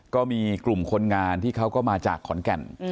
ก็มีกลุ่มคนงานที่เขาก็มาจากขอนแก่น